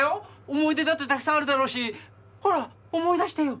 思い出だってたくさんあるだろうしほら思い出してよ